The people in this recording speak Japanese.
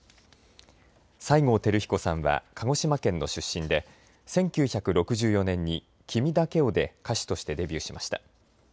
西郷輝彦さんは鹿児島県の出身で１９６４年に君だけをで歌手としてデビューしました。